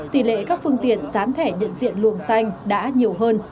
tỷ lệ các phương tiện gián thẻ nhận diện luồng xanh đã nhiều hơn